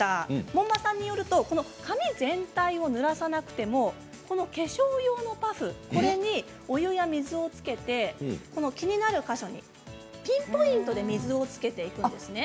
門馬さんによると髪全体をぬらさなくても、化粧用のパフこれに、お湯や水をつけて気になるか所に、ピンポイントで水をつけていくんですが。